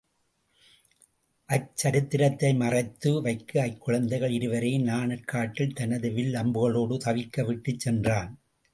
அச்சரித்திரத்தை மறைத்து வைக்க அக்குழந்தைகள் இருவரையும் நாணற் காட்டில் தனது வில் அம்புகளோடு தவிக்க விட்டுச் சென்றான்.